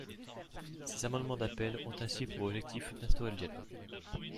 Ces amendements d’appel ont ainsi pour objectif d’instaurer le dialogue.